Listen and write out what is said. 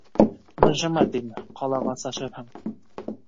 — Мыжыма тим, ҡалғас ашарһың.